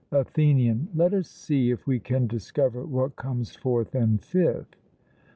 ATHENIAN: Let us see if we can discover what comes fourth and fifth.